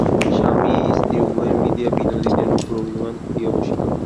স্বামী স্ত্রী উভয়ে মিলিয়া বিনোদিনীর উপর অভিমান করিয়া বসিল।